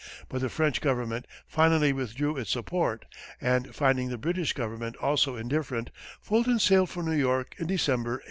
But the French government finally withdrew its support, and finding the British government also indifferent, Fulton sailed for New York in December, 1806.